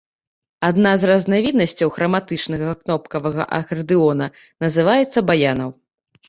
Адна з разнавіднасцяў храматычнага кнопкавага акардэона называецца баянам.